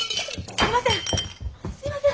すいません。